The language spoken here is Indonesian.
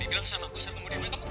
dibilang sama aku kamu dimana